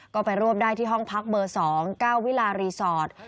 ก็ไปรวบได้ที่ห้องพักเบอร์๒๙วิลารีสอร์ท